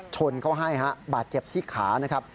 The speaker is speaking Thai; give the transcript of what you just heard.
ชนเขาให้ฮะบาดเจ็บที่ขานะครับ